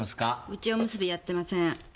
うちはおむすびやってません。